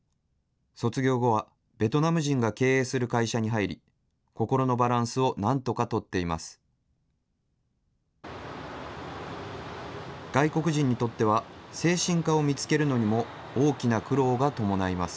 卒業後はベトナム人が経営する会社に入り、心のバランスをなんとか取っています。